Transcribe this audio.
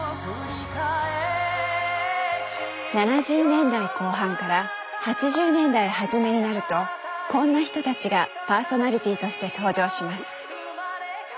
７０年代後半から８０年代初めになるとこんな人たちがパーソナリティーとして登場します。